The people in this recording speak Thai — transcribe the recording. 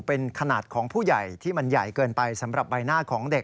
เป็นขนาดของผู้ใหญ่ที่มันใหญ่เกินไปสำหรับใบหน้าของเด็ก